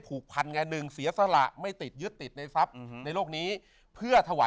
ผูกพันไงหนึ่งเสียสละไม่ติดยึดติดในทรัพย์ในโลกนี้เพื่อถวาย